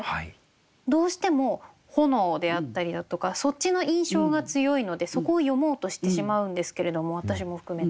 どうしても炎であったりだとかそっちの印象が強いのでそこを詠もうとしてしまうんですけれども私も含めて。